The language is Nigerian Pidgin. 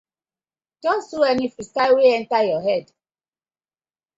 Just do any freestyle wey enter yur head.